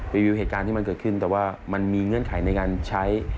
วิวเหตุการณ์ที่มันเกิดขึ้นแต่ว่ามันมีเงื่อนไขในการใช้